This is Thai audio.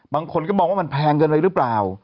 บางคนก็มองว่ามันแพงเกินไปหรือเปล่า